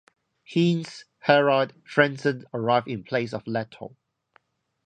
Heinz-Harald Frentzen arrived in place of Lehto.